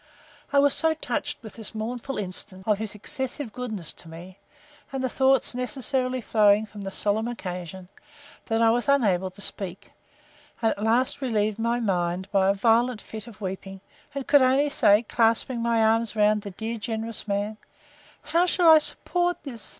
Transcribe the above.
I was so touched with this mournful instance of his excessive goodness to me, and the thoughts necessarily flowing from the solemn occasion, that I was unable to speak; and at last relieved my mind by a violent fit of weeping; and could only say, clasping my arms around the dear generous man, How shall I support this!